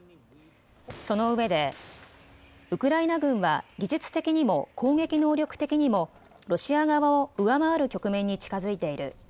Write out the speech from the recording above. そのうえでウクライナ軍は技術的にも攻撃能力的にもロシア側を上回る局面に近づいている。